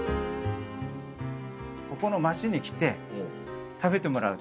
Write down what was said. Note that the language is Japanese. ここの街に来て食べてもらう。